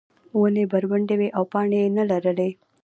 ونې بربنډې وې او پاڼې یې نه لرلې.